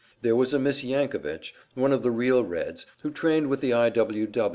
There was a Miss Yankovich, one of the real Reds, who trained with the I. W.